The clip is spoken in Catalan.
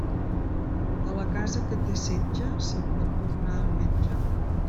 De la casa que té setge, se'n pot tornar el metge.